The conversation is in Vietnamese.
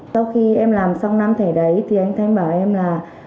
sau khi em làm xong năm thẻ đấy thì anh thanh bảo em là